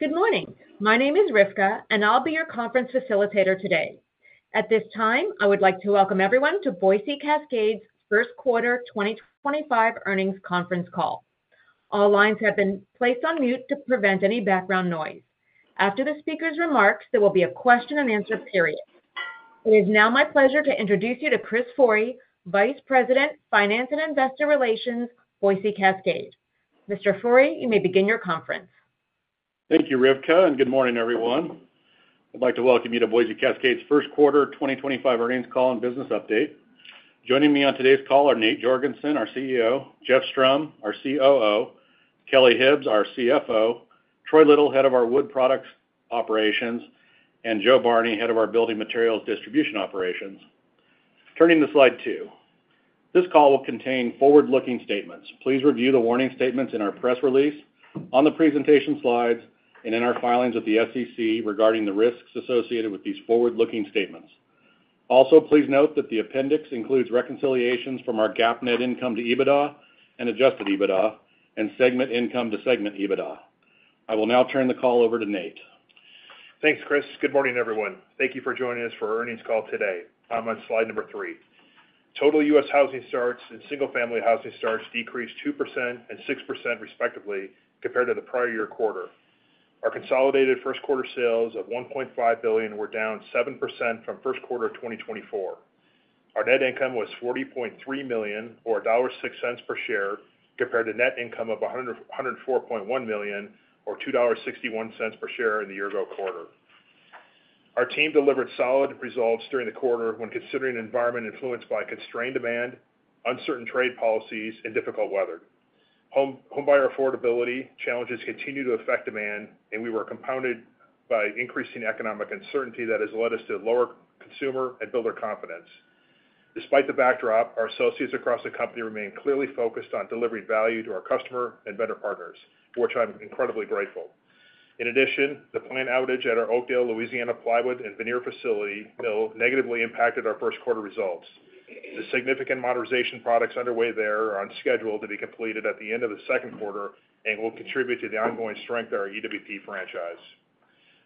Good morning. My name is Rivka, and I'll be your conference facilitator today. At this time, I would like to welcome everyone to Boise Cascade's first quarter 2025 earnings conference call. All lines have been placed on mute to prevent any background noise. After the speaker's remarks, there will be a question-and-answer period. It is now my pleasure to introduce you to Chris Forrey, Vice President, Finance and Investor Relations, Boise Cascade. Mr. Forrey, you may begin your conference. Thank you, Rivka, and good morning, everyone. I'd like to welcome you to Boise Cascade's first quarter 2025 earnings call and business update. Joining me on today's call are Nate Jorgensen, our CEO; Jeff Strom, our COO; Kelly Hibbs, our CFO; Troy Little, head of our wood products operations; and Jo Barney, head of our building materials distribution operations. Turning to slide two, this call will contain forward-looking statements. Please review the warning statements in our press release, on the presentation slides, and in our filings with the SEC regarding the risks associated with these forward-looking statements. Also, please note that the appendix includes reconciliations from our GAAP net income to EBITDA and adjusted EBITDA and segment income to segment EBITDA. I will now turn the call over to Nate. Thanks, Chris. Good morning, everyone. Thank you for joining us for our earnings call today. I'm on slide number three. Total U.S. housing starts and single-family housing starts decreased 2% and 6%, respectively, compared to the prior year quarter. Our consolidated first quarter sales of $1.5 billion were down 7% from first quarter of 2024. Our net income was $40.3 million, or $1.06 per share, compared to net income of $104.1 million, or $2.61 per share in the year-ago quarter. Our team delivered solid results during the quarter when considering an environment influenced by constrained demand, uncertain trade policies, and difficult weather. Homebuyer affordability challenges continue to affect demand, and we were compounded by increasing economic uncertainty that has led us to lower consumer and builder confidence. Despite the backdrop, our associates across the company remain clearly focused on delivering value to our customer and vendor partners, for which I'm incredibly grateful. In addition, the plant outage at our Oakdale, Louisiana, plywood and veneer facility mill negatively impacted our first quarter results. The significant modernization projects underway there are on schedule to be completed at the end of the second quarter and will contribute to the ongoing strength of our EWP franchise.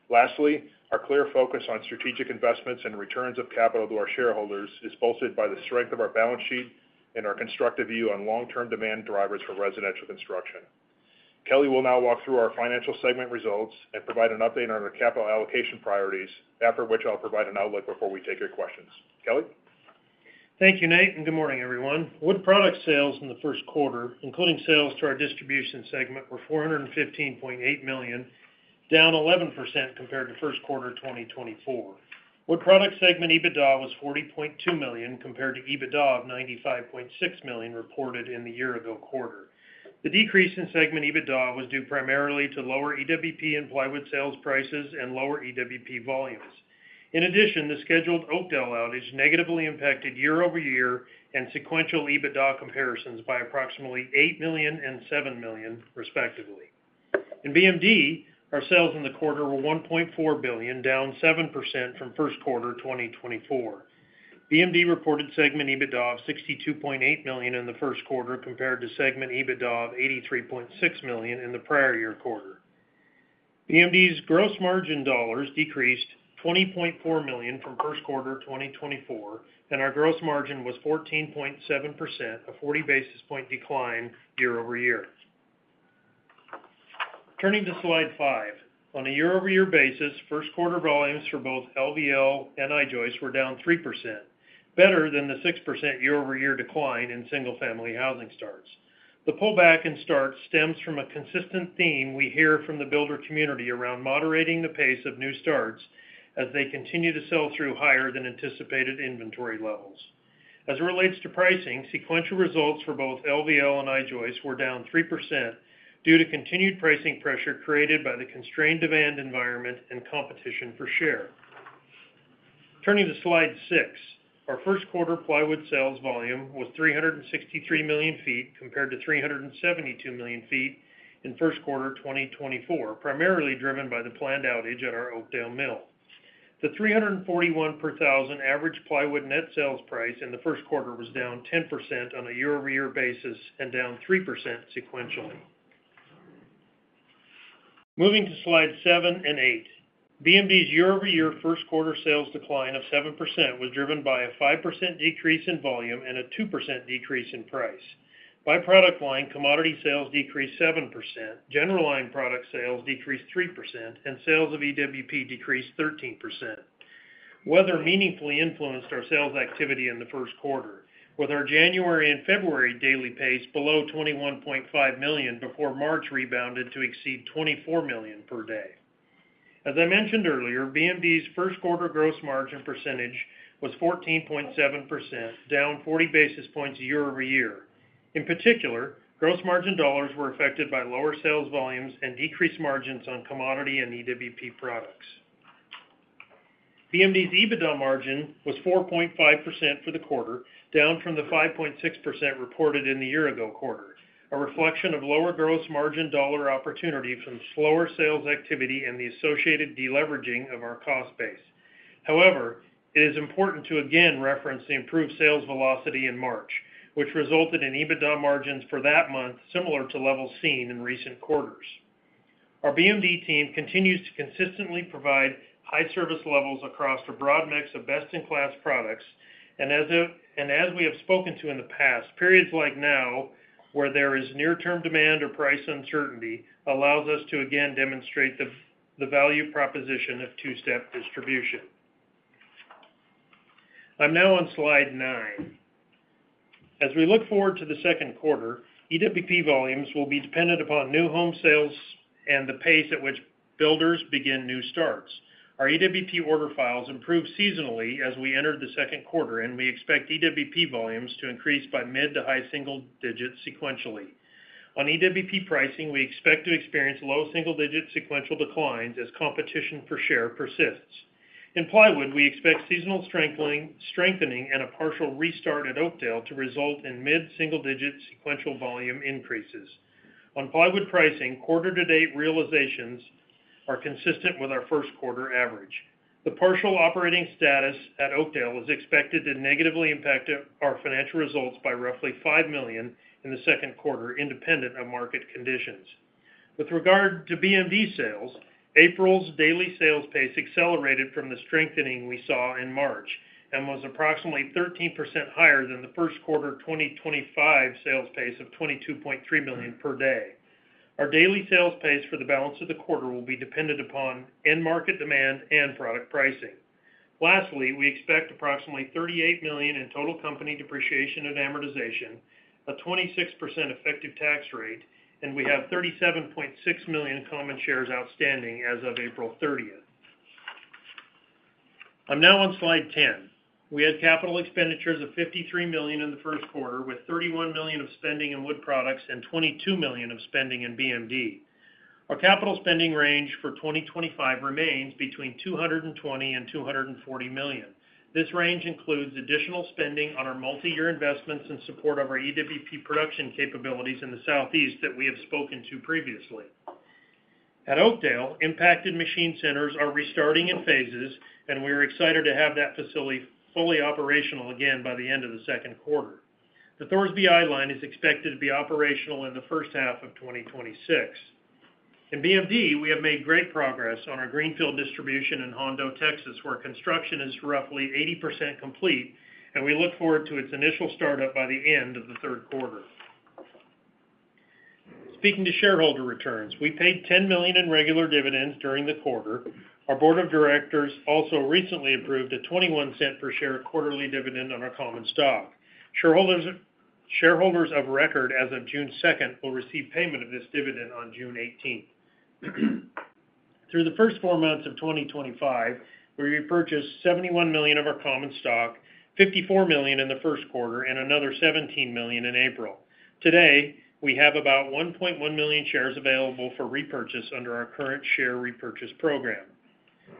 Lastly, our clear focus on strategic investments and returns of capital to our shareholders is bolstered by the strength of our balance sheet and our constructive view on long-term demand drivers for residential construction. Kelly will now walk through our financial segment results and provide an update on our capital allocation priorities, after which I'll provide an outlook before we take your questions. Kelly? Thank you, Nate. Good morning, everyone. Wood product sales in the first quarter, including sales to our distribution segment, were $415.8 million, down 11% compared to first quarter 2024. Wood product segment EBITDA was $40.2 million compared to EBITDA of $95.6 million reported in the year-ago quarter. The decrease in segment EBITDA was due primarily to lower EWP and plywood sales prices and lower EWP volumes. In addition, the scheduled Oakdale outage negatively impacted year-over-year and sequential EBITDA comparisons by approximately $8 million and $7 million, respectively. In BMD, our sales in the quarter were $1.4 billion, down 7% from first quarter 2024. BMD reported segment EBITDA of $62.8 million in the first quarter compared to segment EBITDA of $83.6 million in the prior year quarter. BMD's gross margin dollars decreased $20.4 million from first quarter 2024, and our gross margin was 14.7%, a 40 basis point decline year-over-year. Turning to slide five, on a year-over-year basis, first quarter volumes for both LVL and I-joists were down 3%, better than the 6% year-over-year decline in single-family housing starts. The pullback in starts stems from a consistent theme we hear from the builder community around moderating the pace of new starts as they continue to sell through higher-than-anticipated inventory levels. As it relates to pricing, sequential results for both LVL and I-joists were down 3% due to continued pricing pressure created by the constrained demand environment and competition for share. Turning to slide six, our first quarter plywood sales volume was 363 million feet compared to 372 million feet in first quarter 2024, primarily driven by the planned outage at our Oakdale mill. The $341 per thousand average plywood net sales price in the first quarter was down 10% on a year-over-year basis and down 3% sequentially. Moving to slide seven and eight, BMD's year-over-year first quarter sales decline of 7% was driven by a 5% decrease in volume and a 2% decrease in price. By product line, commodity sales decreased 7%, general line product sales decreased 3%, and sales of EWP decreased 13%. Weather meaningfully influenced our sales activity in the first quarter, with our January and February daily pace below $21.5 million before March rebounded to exceed $24 million per day. As I mentioned earlier, BMD's first quarter gross margin percentage was 14.7%, down 40 basis points year-over-year. In particular, gross margin dollars were affected by lower sales volumes and decreased margins on commodity and EWP products. BMD's EBITDA margin was 4.5% for the quarter, down from the 5.6% reported in the year-ago quarter, a reflection of lower gross margin dollar opportunity from slower sales activity and the associated deleveraging of our cost base. However, it is important to again reference the improved sales velocity in March, which resulted in EBITDA margins for that month similar to levels seen in recent quarters. Our BMD team continues to consistently provide high service levels across a broad mix of best-in-class products, and as we have spoken to in the past, periods like now where there is near-term demand or price uncertainty allows us to again demonstrate the value proposition of two-step distribution. I'm now on slide nine. As we look forward to the second quarter, EWP volumes will be dependent upon new home sales and the pace at which builders begin new starts. Our EWP order files improved seasonally as we entered the second quarter, and we expect EWP volumes to increase by mid to high single digits sequentially. On EWP pricing, we expect to experience low single-digit sequential declines as competition for share persists. In plywood, we expect seasonal strengthening and a partial restart at Oakdale to result in mid-single-digit sequential volume increases. On plywood pricing, quarter-to-date realizations are consistent with our first quarter average. The partial operating status at Oakdale is expected to negatively impact our financial results by roughly $5 million in the second quarter, independent of market conditions. With regard to BMD sales, April's daily sales pace accelerated from the strengthening we saw in March and was approximately 13% higher than the first quarter 2025 sales pace of $22.3 million per day. Our daily sales pace for the balance of the quarter will be dependent upon end-market demand and product pricing. Lastly, we expect approximately $38 million in total company depreciation and amortization, a 26% effective tax rate, and we have $37.6 million in common shares outstanding as of April 30th. I'm now on slide ten. We had capital expenditures of $53 million in the first quarter, with $31 million of spending in wood products and $22 million of spending in BMD. Our capital spending range for 2025 remains between $220 million and $240 million. This range includes additional spending on our multi-year investments in support of our EWP production capabilities in the Southeast that we have spoken to previously. At Oakdale, impacted machine centers are restarting in phases, and we are excited to have that facility fully operational again by the end of the second quarter. The Thorsby eyeline is expected to be operational in the first half of 2026. In BMD, we have made great progress on our Greenfield distribution in Hondo, Texas, where construction is roughly 80% complete, and we look forward to its initial startup by the end of the third quarter. Speaking to shareholder returns, we paid $10 million in regular dividends during the quarter. Our board of directors also recently approved a $0.21 per share quarterly dividend on our common stock. Shareholders of record as of June 2nd will receive payment of this dividend on June 18. Through the first four months of 2025, we repurchased $71 million of our common stock, $54 million in the first quarter, and another $17 million in April. Today, we have about 1.1 million shares available for repurchase under our current share repurchase program.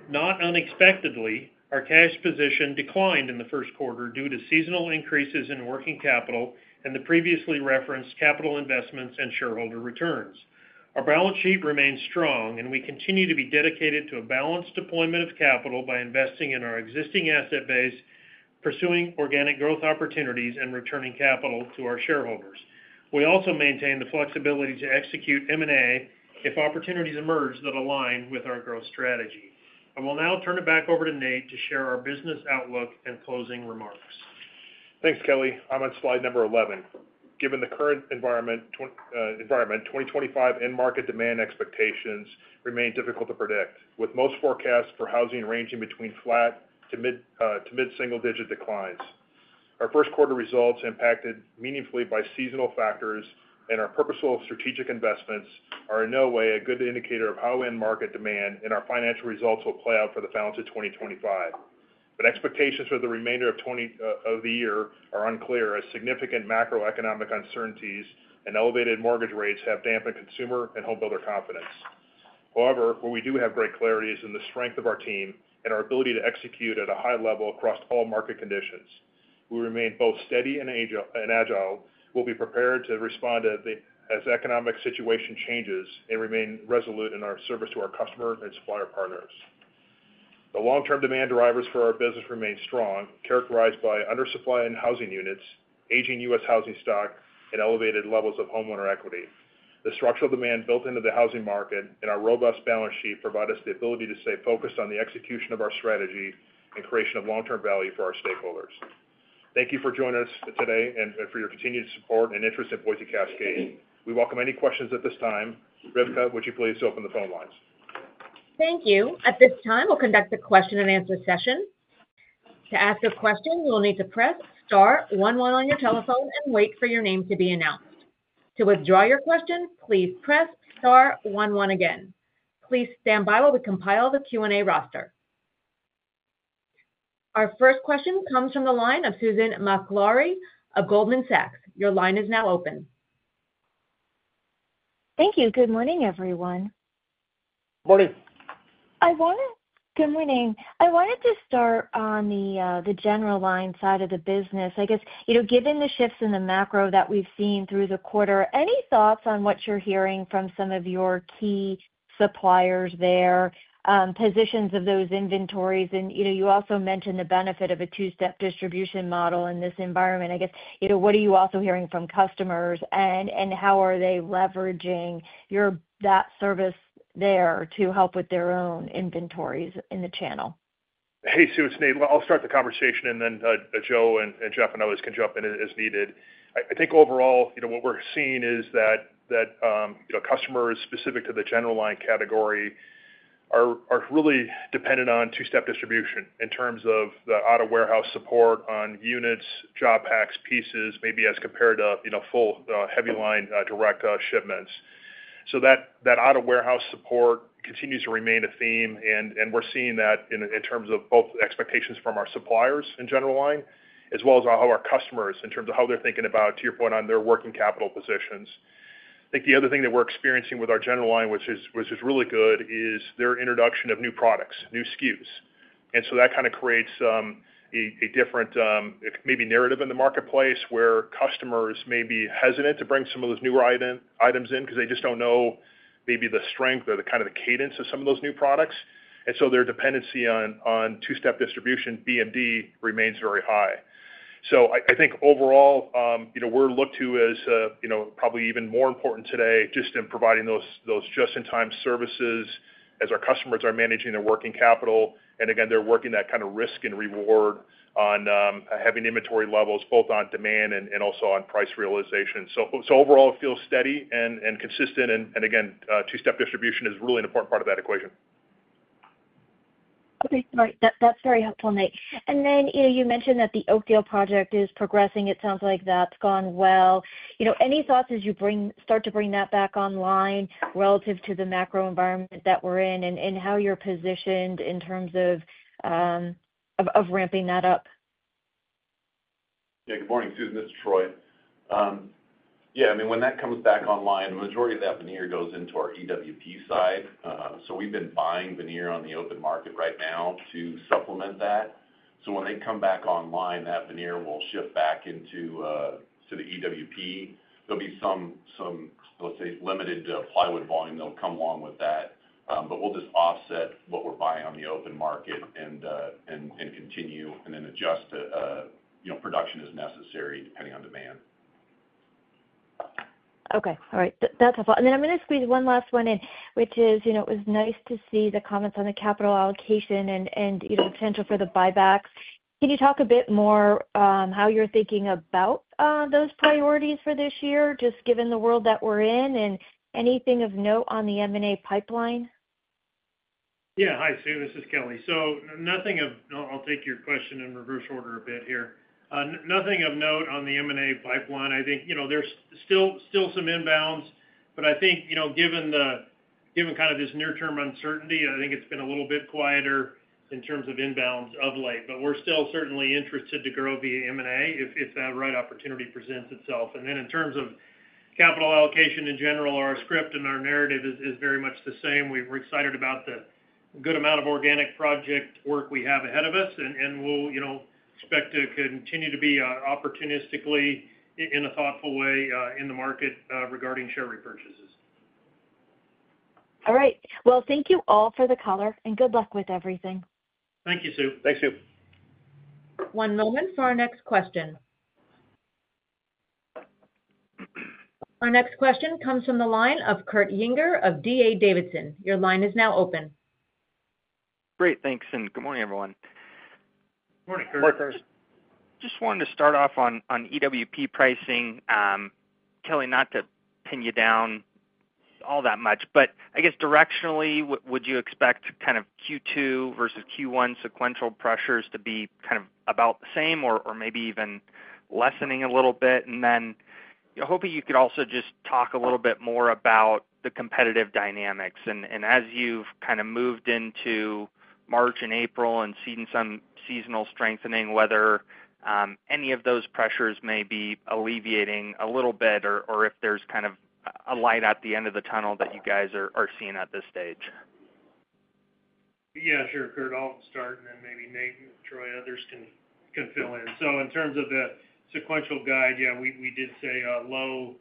Not unexpectedly, our cash position declined in the first quarter due to seasonal increases in working capital and the previously referenced capital investments and shareholder returns. Our balance sheet remains strong, and we continue to be dedicated to a balanced deployment of capital by investing in our existing asset base, pursuing organic growth opportunities, and returning capital to our shareholders. We also maintain the flexibility to execute M&A if opportunities emerge that align with our growth strategy. I will now turn it back over to Nate to share our business outlook and closing remarks. Thanks, Kelly. I'm on slide number 11. Given the current environment, 2025 end-market demand expectations remain difficult to predict, with most forecasts for housing ranging between flat to mid-single-digit declines. Our first quarter results impacted meaningfully by seasonal factors, and our purposeful strategic investments are in no way a good indicator of how end-market demand and our financial results will play out for the balance of 2025. Expectations for the remainder of the year are unclear as significant macroeconomic uncertainties and elevated mortgage rates have dampened consumer and home builder confidence. However, what we do have great clarity in is the strength of our team and our ability to execute at a high level across all market conditions. We remain both steady and agile, we'll be prepared to respond as the economic situation changes and remain resolute in our service to our customer and supplier partners. The long-term demand drivers for our business remain strong, characterized by undersupply in housing units, aging U.S. housing stock, and elevated levels of homeowner equity. The structural demand built into the housing market and our robust balance sheet provide us the ability to stay focused on the execution of our strategy and creation of long-term value for our stakeholders. Thank you for joining us today and for your continued support and interest in Boise Cascade. We welcome any questions at this time. Rivka, would you please open the phone lines? Thank you. At this time, we'll conduct a question-and-answer session. To ask a question, you will need to press star one one on your telephone and wait for your name to be announced. To withdraw your question, please press star one one again. Please stand by while we compile the Q&A roster. Our first question comes from the line of Susan Maklari of Goldman Sachs. Your line is now open. Thank you. Good morning, everyone. Morning. Good morning. I wanted to start on the general line side of the business. I guess, given the shifts in the macro that we've seen through the quarter, any thoughts on what you're hearing from some of your key suppliers there, positions of those inventories? You also mentioned the benefit of a two-step distribution model in this environment. I guess, what are you also hearing from customers, and how are they leveraging that service there to help with their own inventories in the channel? Hey, Susan, I'll start the conversation, and then Jo and Jeff and others can jump in as needed. I think overall, what we're seeing is that customers specific to the general line category are really dependent on two-step distribution in terms of the auto warehouse support on units, job packs, pieces, maybe as compared to full heavy line direct shipments. That auto warehouse support continues to remain a theme, and we're seeing that in terms of both expectations from our suppliers in general line, as well as how our customers, in terms of how they're thinking about, to your point, on their working capital positions. I think the other thing that we're experiencing with our general line, which is really good, is their introduction of new products, new SKUs. That kind of creates a different maybe narrative in the marketplace where customers may be hesitant to bring some of those new items in because they just do not know maybe the strength or the kind of the cadence of some of those new products. Their dependency on two-step distribution, BMD, remains very high. I think overall, we are looked to as probably even more important today just in providing those just-in-time services as our customers are managing their working capital. Again, they are working that kind of risk and reward on having inventory levels, both on demand and also on price realization. Overall, it feels steady and consistent. Two-step distribution is really an important part of that equation. Okay. All right. That is very helpful, Nate. You mentioned that the Oakdale project is progressing. It sounds like that has gone well. Any thoughts as you start to bring that back online relative to the macro environment that we are in and how you are positioned in terms of ramping that up? Yeah. Good morning, Susan. This is Troy. Yeah. I mean, when that comes back online, the majority of that veneer goes into our EWP side. So we've been buying veneer on the open market right now to supplement that. When they come back online, that veneer will shift back into the EWP. There will be some, let's say, limited plywood volume that will come along with that, but we will just offset what we are buying on the open market and continue and then adjust to production as necessary depending on demand. Okay. All right. That's helpful. I'm going to squeeze one last one in, which is it was nice to see the comments on the capital allocation and potential for the buybacks. Can you talk a bit more how you're thinking about those priorities for this year, just given the world that we're in and anything of note on the M&A pipeline? Yeah. Hi, Susan. This is Kelly. Nothing of—I'll take your question in reverse order a bit here. Nothing of note on the M&A pipeline. I think there are still some inbounds, but I think given kind of this near-term uncertainty, I think it has been a little bit quieter in terms of inbounds of late. We are still certainly interested to grow via M&A if that right opportunity presents itself. In terms of capital allocation in general, our script and our narrative is very much the same. We are excited about the good amount of organic project work we have ahead of us, and we will expect to continue to be opportunistically in a thoughtful way in the market regarding share repurchases. All right. Thank you all for the color, and good luck with everything. Thank you, Sue. Thanks, Sue. One moment for our next question. Our next question comes from the line of Kurt Yinger of D.A. Davidson. Your line is now open. Great. Thanks. Good morning, everyone. Good morning, Kurt. Just wanted to start off on EWP pricing. Kelly, not to pin you down all that much, but I guess directionally, would you expect kind of Q2 versus Q1 sequential pressures to be kind of about the same or maybe even lessening a little bit? I am hoping you could also just talk a little bit more about the competitive dynamics. As you have kind of moved into March and April and seen some seasonal strengthening, whether any of those pressures may be alleviating a little bit or if there is kind of a light at the end of the tunnel that you guys are seeing at this stage. Yeah. Sure. Kurt, I'll start, and then maybe Nate and Troy, others can fill in. In terms of the sequential guide, yeah, we did say low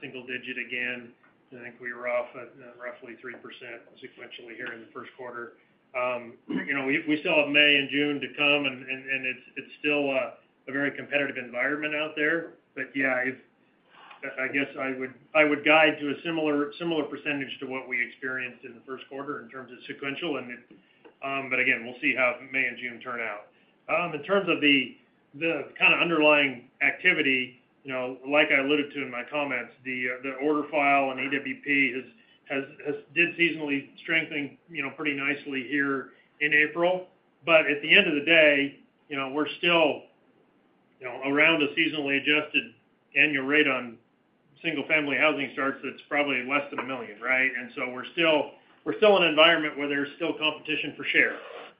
single-digit again. I think we were off roughly 3% sequentially here in the first quarter. We still have May and June to come, and it's still a very competitive environment out there. Yeah, I guess I would guide to a similar percentage to what we experienced in the first quarter in terms of sequential. Again, we'll see how May and June turn out. In terms of the kind of underlying activity, like I alluded to in my comments, the order file and EWP did seasonally strengthen pretty nicely here in April. At the end of the day, we're still around a seasonally adjusted annual rate on single-family housing starts that's probably less than a million, right? We're still in an environment where there's still competition for share.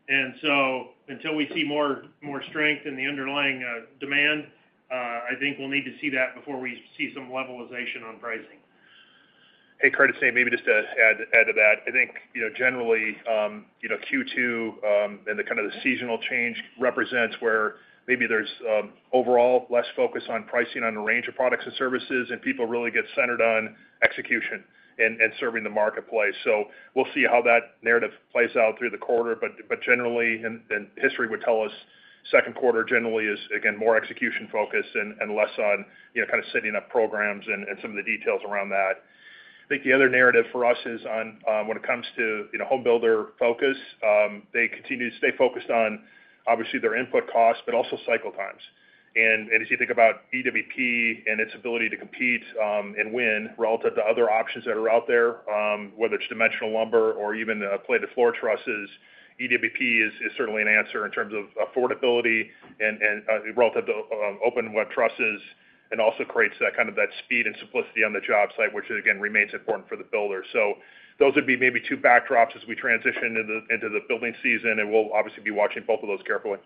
Until we see more strength in the underlying demand, I think we'll need to see that before we see some levelization on pricing. Hey, Kurt, maybe just to add to that, I think generally Q2 and kind of the seasonal change represents where maybe there is overall less focus on pricing on a range of products and services, and people really get centered on execution and serving the marketplace. We will see how that narrative plays out through the quarter. Generally, and history would tell us, second quarter generally is, again, more execution-focused and less on kind of setting up programs and some of the details around that. I think the other narrative for us is when it comes to home builder focus, they continue to stay focused on, obviously, their input costs, but also cycle times. As you think about EWP and its ability to compete and win relative to other options that are out there, whether it's dimensional lumber or even plated floor trusses, EWP is certainly an answer in terms of affordability and relative to open web trusses and also creates that kind of speed and simplicity on the job site, which again remains important for the builder. Those would be maybe two backdrops as we transition into the building season, and we'll obviously be watching both of those carefully.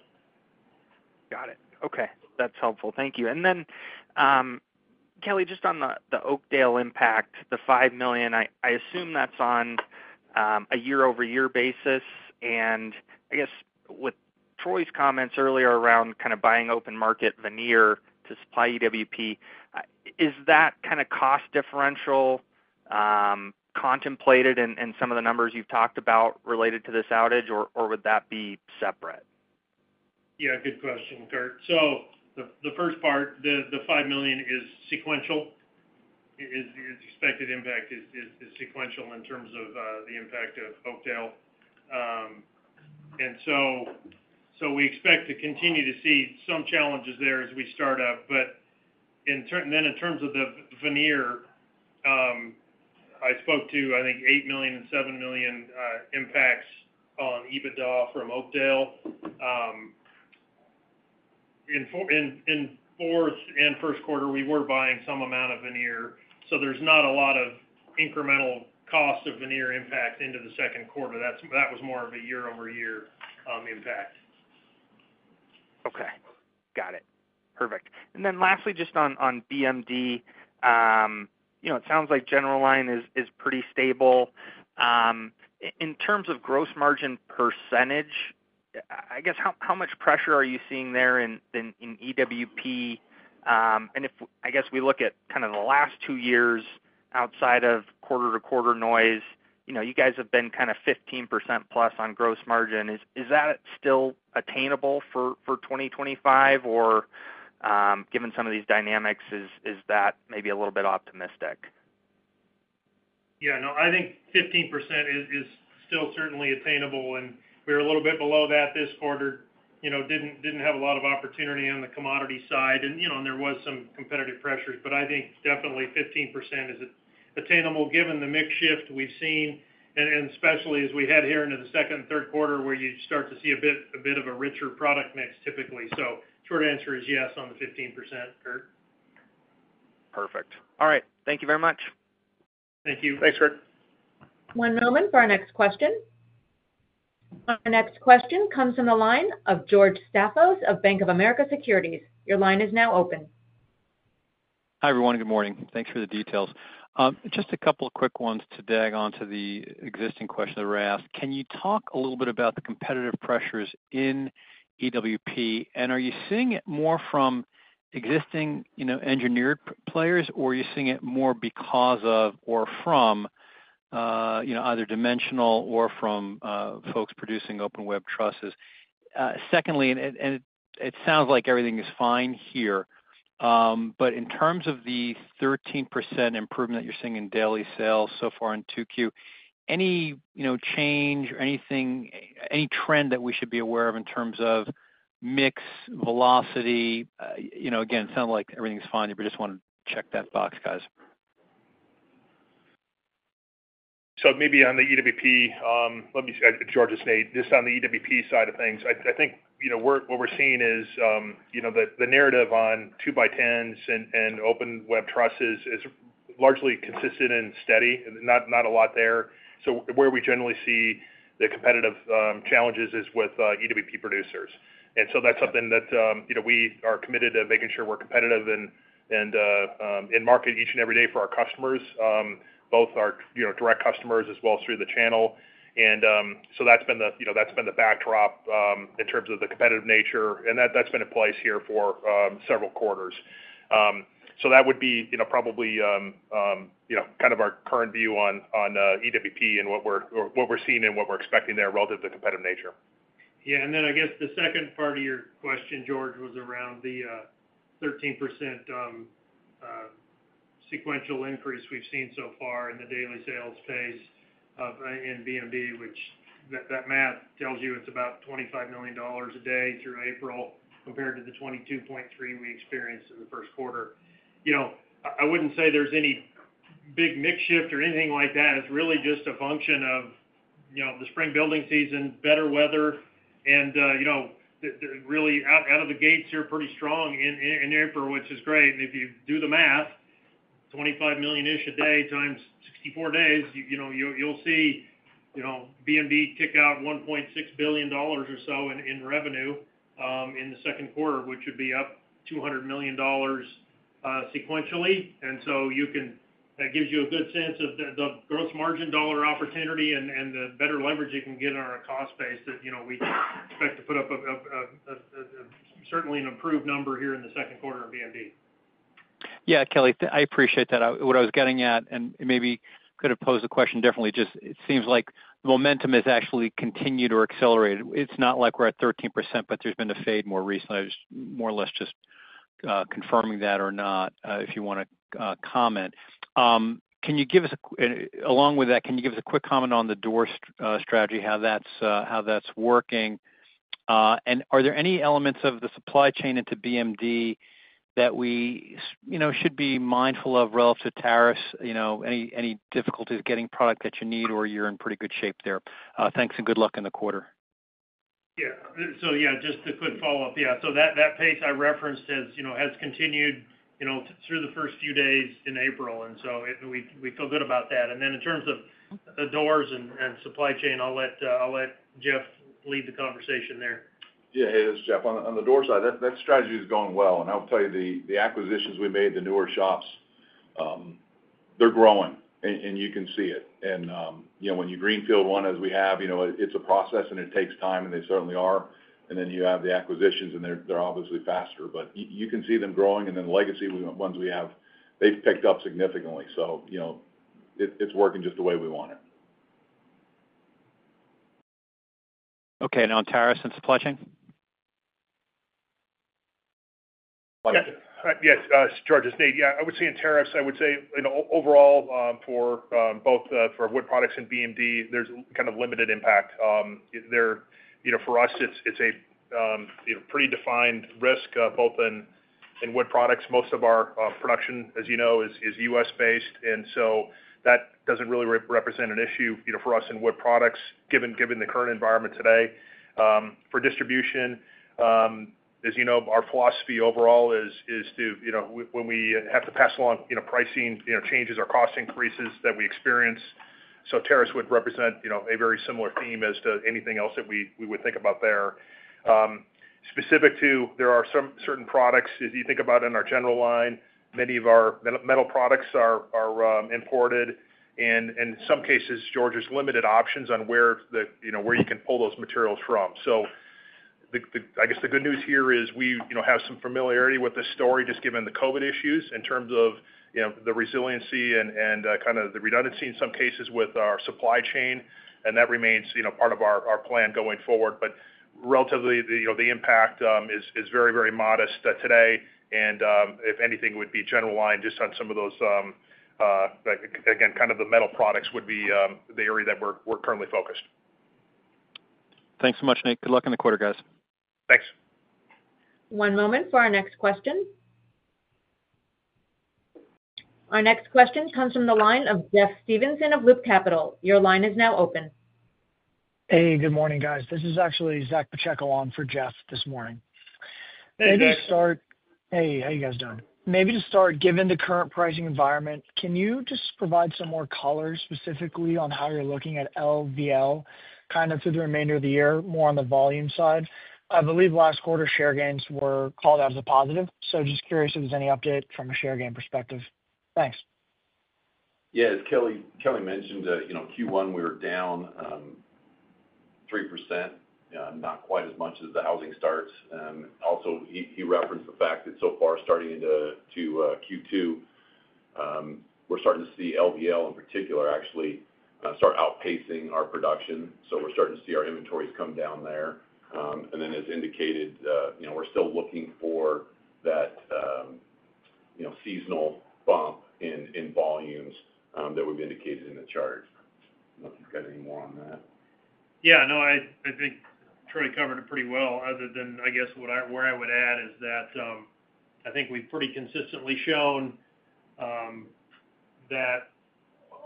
Got it. Okay. That's helpful. Thank you. Kelly, just on the Oakdale impact, the $5 million, I assume that's on a year-over-year basis. I guess with Troy's comments earlier around kind of buying open market veneer to supply EWP, is that kind of cost differential contemplated in some of the numbers you've talked about related to this outage, or would that be separate? Yeah. Good question, Kurt. The first part, the $5 million is sequential. The expected impact is sequential in terms of the impact of Oakdale. We expect to continue to see some challenges there as we start up. In terms of the veneer, I spoke to, I think, $8 million and $7 million impacts on EBITDA from Oakdale. In fourth and first quarter, we were buying some amount of veneer. There is not a lot of incremental cost of veneer impact into the second quarter. That was more of a year-over-year impact. Okay. Got it. Perfect. Lastly, just on BMD, it sounds like general line is pretty stable. In terms of gross margin percentage, I guess how much pressure are you seeing there in EWP? I guess we look at kind of the last two years outside of quarter-to-quarter noise, you guys have been kind of 15% plus on gross margin. Is that still attainable for 2025? Or given some of these dynamics, is that maybe a little bit optimistic? Yeah. No, I think 15% is still certainly attainable. We were a little bit below that this quarter, did not have a lot of opportunity on the commodity side. There was some competitive pressures, but I think definitely 15% is attainable given the mix shift we have seen, and especially as we head here into the second and third quarter where you start to see a bit of a richer product mix typically. Short answer is yes on the 15%, Kurt. Perfect. All right. Thank you very much. Thank you. Thanks, Kurt. One moment for our next question. Our next question comes from the line of George Staphos of Bank of America Securities. Your line is now open. Hi everyone. Good morning. Thanks for the details. Just a couple of quick ones to dig onto the existing question that were asked. Can you talk a little bit about the competitive pressures in EWP? Are you seeing it more from existing engineered players, or are you seeing it more because of or from either dimensional or from folks producing open web trusses? Secondly, and it sounds like everything is fine here, but in terms of the 13% improvement that you're seeing in daily sales so far in 2Q, any change or anything, any trend that we should be aware of in terms of mix velocity? Again, it sounds like everything's fine. We just want to check that box, guys. Maybe on the EWP, let me say, George, it's Nate, just on the EWP side of things, I think what we're seeing is the narrative on two-by-tens and open web trusses is largely consistent and steady, not a lot there. Where we generally see the competitive challenges is with EWP producers. That is something that we are committed to making sure we're competitive and in market each and every day for our customers, both our direct customers as well as through the channel. That has been the backdrop in terms of the competitive nature, and that has been in place here for several quarters. That would be probably kind of our current view on EWP and what we're seeing and what we're expecting there relative to the competitive nature. Yeah. I guess the second part of your question, George, was around the 13% sequential increase we've seen so far in the daily sales phase in BMD, which that math tells you it's about $25 million a day through April compared to the $22.3 million we experienced in the first quarter. I wouldn't say there's any big mix shift or anything like that. It's really just a function of the spring building season, better weather, and really out of the gates here pretty strong in April, which is great. If you do the math, $25 million-ish a day times 64 days, you'll see BMD kick out $1.6 billion or so in revenue in the second quarter, which would be up $200 million sequentially. That gives you a good sense of the gross margin dollar opportunity and the better leverage you can get on our cost base that we expect to put up certainly an improved number here in the second quarter in BMD. Yeah, Kelly, I appreciate that. What I was getting at, and maybe could have posed the question differently, just it seems like momentum has actually continued or accelerated. It's not like we're at 13%, but there's been a fade more recently. I was more or less just confirming that or not if you want to comment. Can you give us, along with that, can you give us a quick comment on the door strategy, how that's working? Are there any elements of the supply chain into BMD that we should be mindful of relative to tariffs, any difficulties getting product that you need, or you're in pretty good shape there? Thanks and good luck in the quarter. Yeah. Yeah, just a quick follow-up, yeah. That pace I referenced has continued through the first few days in April, and we feel good about that. In terms of the doors and supply chain, I'll let Jeff lead the conversation there. Yeah. Hey, this is Jeff. On the door side, that strategy is going well. I'll tell you, the acquisitions we made, the newer shops, they're growing, and you can see it. When you greenfield one as we have, it's a process, and it takes time, and they certainly are. You have the acquisitions, and they're obviously faster. You can see them growing. The legacy ones we have, they've picked up significantly. It's working just the way we want it. Okay. On tariffs and supply chain? Yes. George, yeah, I would say in tariffs, I would say overall for both for wood products and BMD, there is kind of limited impact. For us, it is a pretty defined risk both in wood products. Most of our production, as you know, is U.S.-based. That does not really represent an issue for us in wood products given the current environment today. For distribution, as you know, our philosophy overall is to, when we have to, pass along pricing changes or cost increases that we experience. Tariffs would represent a very similar theme as to anything else that we would think about there. Specific to, there are certain products, as you think about in our general line, many of our metal products are imported. In some cases, George, there are limited options on where you can pull those materials from. I guess the good news here is we have some familiarity with the story just given the COVID issues in terms of the resiliency and kind of the redundancy in some cases with our supply chain. That remains part of our plan going forward. Relatively, the impact is very, very modest today. If anything, it would be general line just on some of those, again, kind of the metal products would be the area that we're currently focused. Thanks so much, Nate. Good luck in the quarter, guys. Thanks. One moment for our next question. Our next question comes from the line of Jeff Stevenson of Loop Capital. Your line is now open. Hey, good morning, guys. This is actually Zack Pacheco on for Jeff this morning. Hey, how are you guys doing? Maybe to start, given the current pricing environment, can you just provide some more color specifically on how you're looking at LVL kind of through the remainder of the year, more on the volume side? I believe last quarter share gains were called out as a positive. Just curious if there's any update from a share gain perspective. Thanks. Yeah. As Kelly mentioned, Q1, we were down 3%, not quite as much as the housing starts. He also referenced the fact that so far starting into Q2, we're starting to see LVL in particular actually start outpacing our production. We're starting to see our inventories come down there. As indicated, we're still looking for that seasonal bump in volumes that we've indicated in the chart. Nothing you got any more on that? Yeah. No, I think Troy covered it pretty well. Other than, I guess, where I would add is that I think we have pretty consistently shown that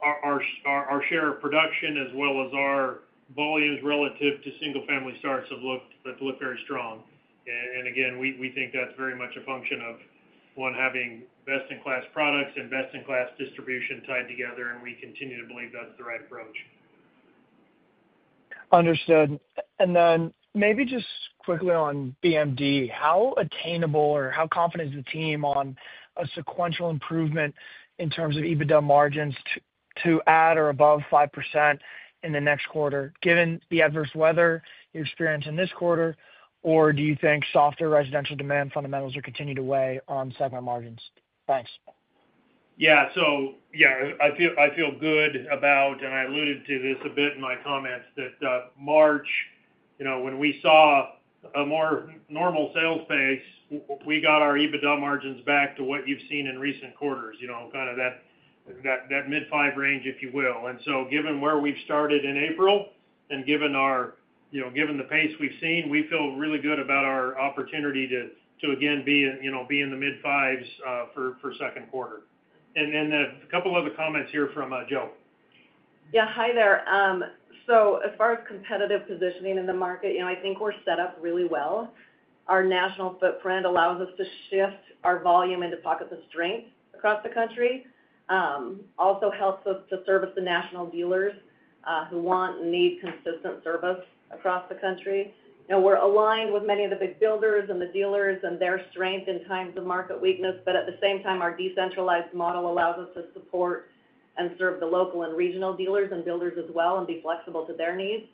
our share of production as well as our volumes relative to single-family starts have looked very strong. We think that is very much a function of, one, having best-in-class products and best-in-class distribution tied together. We continue to believe that is the right approach. Understood. And then maybe just quickly on BMD, how attainable or how confident is the team on a sequential improvement in terms of EBITDA margins to at or above 5% in the next quarter, given the adverse weather you experienced in this quarter, or do you think softer residential demand fundamentals will continue to weigh on segment margins? Thanks. Yeah. Yeah, I feel good about, and I alluded to this a bit in my comments, that March, when we saw a more normal sales base, we got our EBITDA margins back to what you've seen in recent quarters, kind of that mid-5 range, if you will. Given where we've started in April and given the pace we've seen, we feel really good about our opportunity to, again, be in the mid-5s for second quarter. A couple of other comments here from Jo. Yeah. Hi there. As far as competitive positioning in the market, I think we are set up really well. Our national footprint allows us to shift our volume into pockets of strength across the country. It also helps us to service the national dealers who want and need consistent service across the country. We are aligned with many of the big builders and the dealers and their strength in times of market weakness. At the same time, our decentralized model allows us to support and serve the local and regional dealers and builders as well and be flexible to their needs.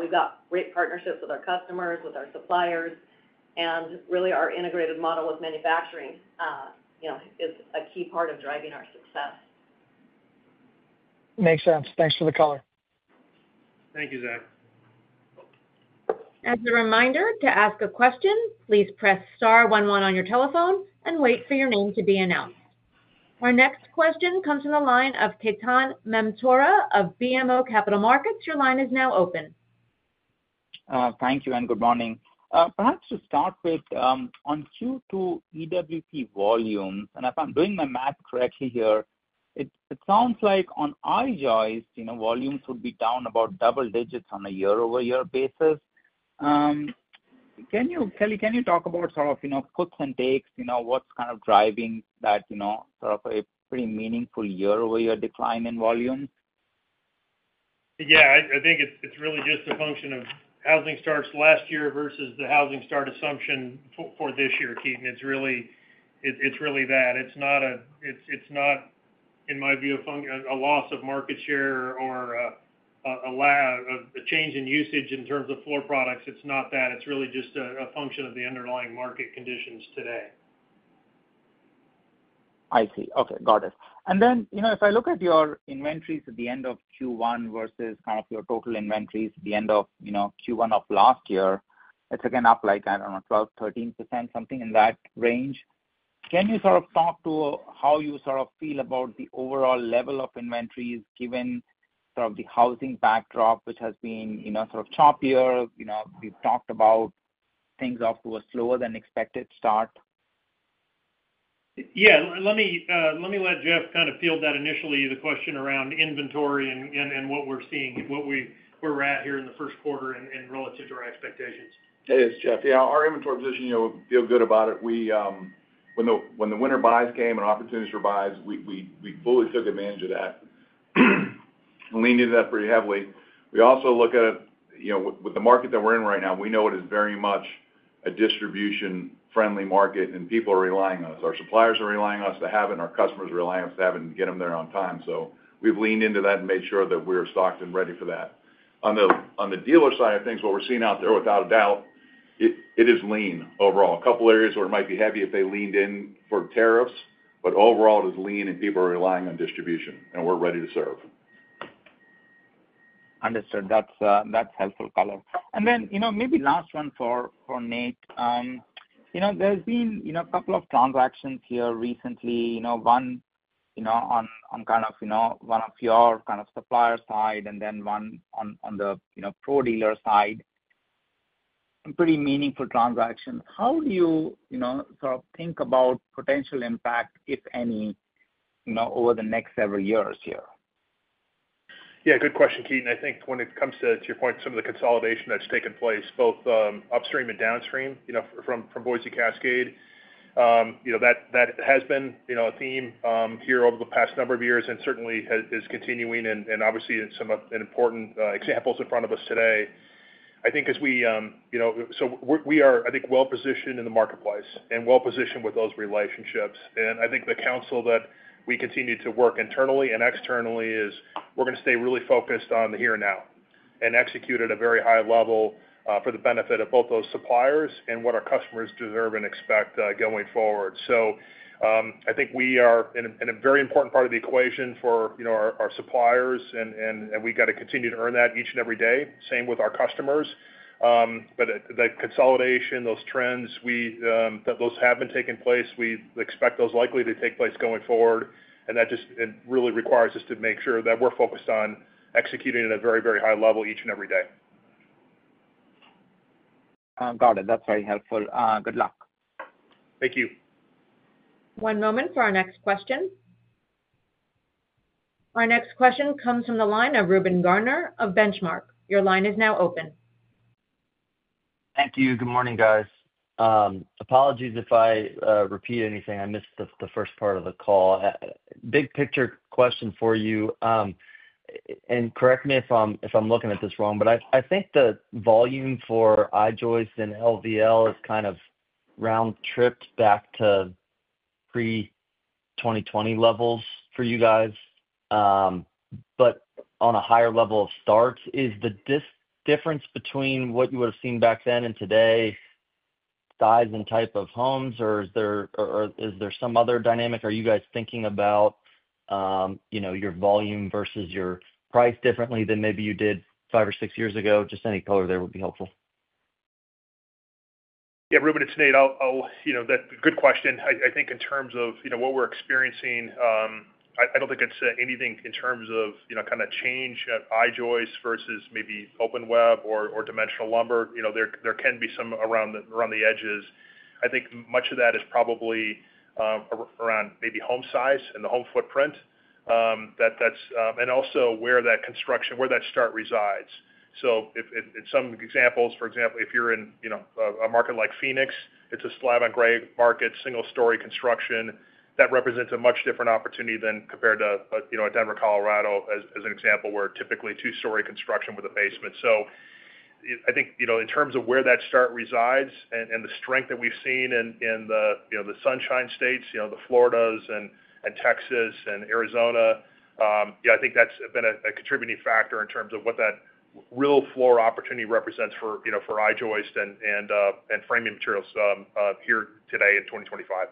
We have great partnerships with our customers, with our suppliers. Our integrated model with manufacturing is a key part of driving our success. Makes sense. Thanks for the color. Thank you, Zach. As a reminder, to ask a question, please press star one one on your telephone and wait for your name to be announced. Our next question comes from the line of Ketan Mamtora of BMO Capital Markets. Your line is now open. Thank you and good morning. Perhaps to start with, on Q2 EWP volumes, and if I'm doing my math correctly here, it sounds like on I-joists, volumes would be down about double digits on a year-over-year basis. Kelly, can you talk about sort of puts and takes, what's kind of driving that sort of a pretty meaningful year-over-year decline in volumes? Yeah. I think it's really just a function of housing starts last year versus the housing start assumption for this year, Ketan. It's really that. It's not, in my view, a loss of market share or a change in usage in terms of floor products. It's not that. It's really just a function of the underlying market conditions today. I see. Okay. Got it. If I look at your inventories at the end of Q1 versus kind of your total inventories at the end of Q1 of last year, it is again up like, I do not know, 12%-13%, something in that range. Can you sort of talk to how you sort of feel about the overall level of inventories given sort of the housing backdrop, which has been sort of choppier? We have talked about things off to a slower than expected start. Yeah. Let me let Jeff kind of field that initially, the question around inventory and what we're seeing, what we're at here in the first quarter and relative to our expectations. Hey, it's Jeff. Yeah. Our inventory position, feel good about it. When the winter buys came and opportunities for buys, we fully took advantage of that and leaned into that pretty heavily. We also look at it with the market that we're in right now. We know it is very much a distribution-friendly market, and people are relying on us. Our suppliers are relying on us to have it, and our customers are relying on us to have it and get them there on time. We have leaned into that and made sure that we're stocked and ready for that. On the dealer side of things, what we're seeing out there, without a doubt, it is lean overall. A couple of areas where it might be heavy if they leaned in for tariffs, but overall, it is lean, and people are relying on distribution, and we're ready to serve. Understood. That's helpful color. Maybe last one for Nate. There's been a couple of transactions here recently, one on kind of one of your kind of supplier side and then one on the pro dealer side, pretty meaningful transactions. How do you sort of think about potential impact, if any, over the next several years here? Yeah. Good question, Ketan. I think when it comes to your point, some of the consolidation that has taken place, both upstream and downstream from Boise Cascade, that has been a theme here over the past number of years and certainly is continuing. Obviously, some important examples in front of us today. I think we are, I think, well-positioned in the marketplace and well-positioned with those relationships. I think the counsel that we continue to work internally and externally is we are going to stay really focused on the here and now and execute at a very high level for the benefit of both those suppliers and what our customers deserve and expect going forward. I think we are in a very important part of the equation for our suppliers, and we got to continue to earn that each and every day. Same with our customers. The consolidation, those trends, those have been taking place. We expect those likely to take place going forward. That just really requires us to make sure that we're focused on executing at a very, very high level each and every day. Got it. That's very helpful. Good luck. Thank you. One moment for our next question. Our next question comes from the line of Reuben Garner of Benchmark. Your line is now open. Thank you. Good morning, guys. Apologies if I repeat anything. I missed the first part of the call. Big picture question for you. Correct me if I'm looking at this wrong, but I think the volume for I-joists and LVL has kind of round-tripped back to pre-2020 levels for you guys. On a higher level of start, is the difference between what you would have seen back then and today size and type of homes, or is there some other dynamic? Are you guys thinking about your volume versus your price differently than maybe you did five or six years ago? Just any color there would be helpful. Yeah. Rueben, it's Nate. That's a good question. I think in terms of what we're experiencing, I don't think it's anything in terms of kind of change at I-joists versus maybe open web or dimensional lumber. There can be some around the edges. I think much of that is probably around maybe home size and the home footprint and also where that construction, where that start resides. In some examples, for example, if you're in a market like Phoenix, it's a slab-on-grade market, single-story construction. That represents a much different opportunity than compared to Denver, Colorado, as an example, where typically two-story construction with a basement. I think in terms of where that start resides and the strength that we've seen in the Sunshine States, the Floridas and Texas and Arizona, yeah, I think that's been a contributing factor in terms of what that real floor opportunity represents for I-joists and framing materials here today in 2025.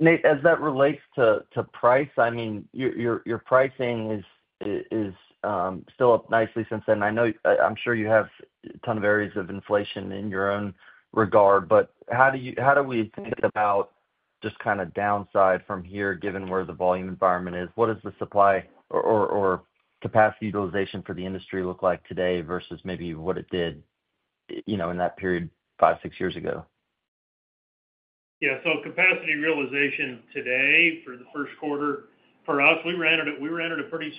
Nate, as that relates to price, I mean, your pricing is still up nicely since then. I'm sure you have a ton of areas of inflation in your own regard. How do we think about just kind of downside from here, given where the volume environment is? What does the supply or capacity utilization for the industry look like today versus maybe what it did in that period five, six years ago? Yeah. Capacity realization today for the first quarter, for us, we ran at a pretty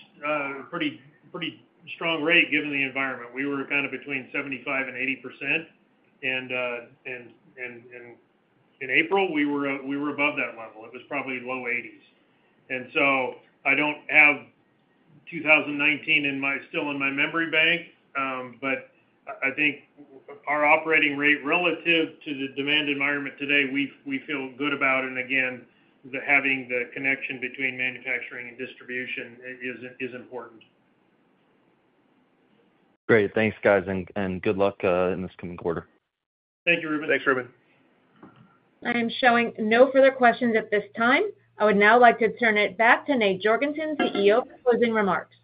strong rate given the environment. We were kind of between 75%-80%. In April, we were above that level. It was probably low 80s. I do not have 2019 still in my memory bank, but I think our operating rate relative to the demand environment today, we feel good about. Again, having the connection between manufacturing and distribution is important. Great. Thanks, guys. Good luck in this coming quarter. Thank you, Reuben. Thanks, Reuben. I am showing no further questions at this time. I would now like to turn it back to Nate Jorgensen, CEO, for closing remarks.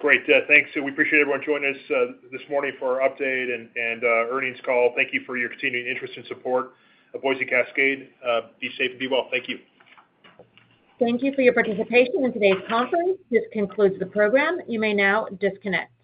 Great. Thanks. We appreciate everyone joining us this morning for our update and earnings call. Thank you for your continued interest and support of Boise Cascade. Be safe and be well. Thank you. Thank you for your participation in today's conference. This concludes the program. You may now disconnect.